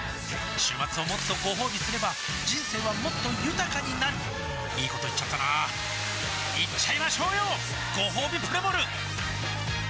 週末をもっとごほうびすれば人生はもっと豊かになるいいこと言っちゃったなーいっちゃいましょうよごほうびプレモル